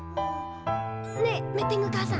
ねえメテングかあさん